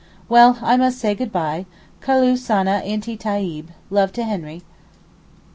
Well, I must say good bye. Kulloo sana intee tayib, love to Henry.